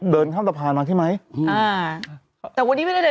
เดินข้ามสะพานมาใช่ไหมอ่าแต่วันนี้ไม่ได้เดิน